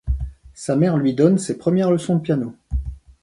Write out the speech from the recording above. Sa mère lui donne ses premières leçons de piano.